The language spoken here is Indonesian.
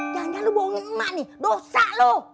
jangan jangan lu bohongin emak nih dosa lu